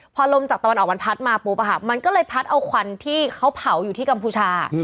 พอลมจากตะวันออกมันพัดมาปุ๊บมันก็เลยพัดเอาควันที่เขาเผาอยู่ที่กัมพูชา